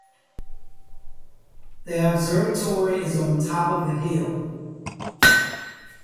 The Observatory is on the top of the hill.